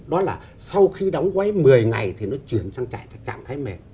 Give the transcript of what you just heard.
đó là sau khi đóng quấy một mươi ngày thì nó chuyển sang trạng thái mẹ